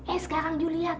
eh sekarang you lihat